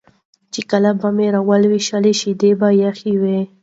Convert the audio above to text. چې کله به مې راولوشله شیدې به یې یخې وې